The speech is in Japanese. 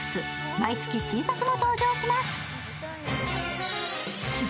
毎月、新作も登場します。